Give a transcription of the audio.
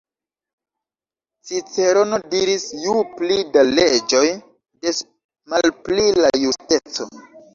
Cicerono diris "ju pli da leĝoj, des malpli da justeco".